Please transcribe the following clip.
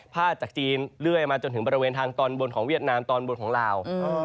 จากจีนเรื่อยมาจนถึงบริเวณทางตอนบนของเวียดนามตอนบนของลาว